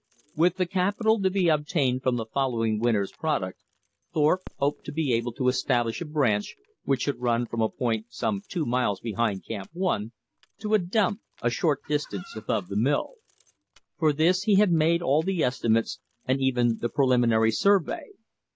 With the capital to be obtained from the following winter's product, Thorpe hoped to be able to establish a branch which should run from a point some two miles behind Camp One, to a "dump" a short distance above the mill. For this he had made all the estimates, and even the preliminary survey.